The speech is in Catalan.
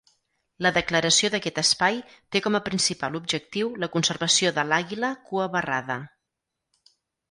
La declaració d'aquest Espai té com a principal objectiu la conservació de l'àguila cuabarrada.